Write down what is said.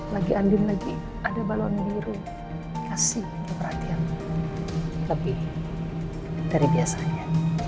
hai lagi lagi ada balon biru kasih perhatian lebih dari biasanya